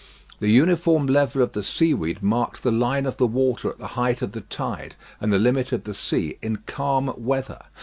The uniform level of the seaweed marked the line of the water at the height of the tide, and the limit of the sea in calm weather.